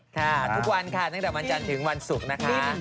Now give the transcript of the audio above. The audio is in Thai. ค่ะทุกวันค่ะตั้งแต่วันจันทร์ถึงวันศุกร์นะคะ